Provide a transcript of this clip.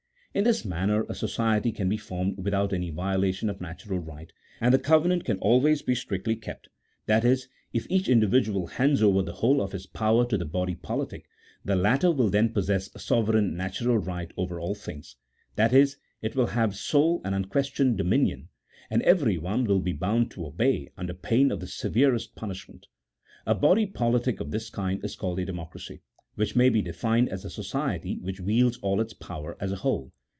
In this manner a society can be formed without any violation of natural right, and the covenant can always be strictly kept — that is, if each individual hands over the whole of his power to the body politic, the latter will then possess sovereign natural right over all things ; that is, it will have sole and unquestioned dominion, and everyone will be bound to obey, under pain of the severest punish ment. A body pohtic of this kind is called a Democracy, which may be denned as a society which wields all its power as a whole.